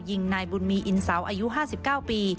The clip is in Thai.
ยิงนายบุญมีอินเสาอายุ๕๙ปี